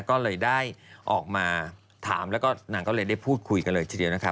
ก็เลยได้ออกมาถามแล้วก็นางก็เลยได้พูดคุยกันเลยทีเดียวนะคะ